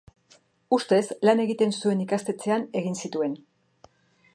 Ustez, lan egiten zuen ikastetxean egin zituen.